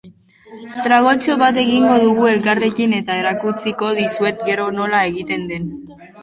Tragotxo bat egingo dugu elkarrekin, eta erakutsiko dizuet gero nola egiten den.